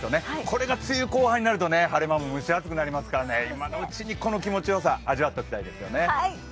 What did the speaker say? これが梅雨後半になると晴れ間も蒸し暑くなりますから今のうちに、この気持ちよさ味わっておきたいですよね。